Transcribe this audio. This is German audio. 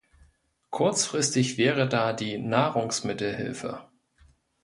Kurzfristig wäre da die Nahrungsmittelhilfe.